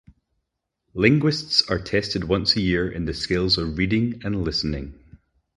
Linguists are tested once a year in the skills of reading and listening.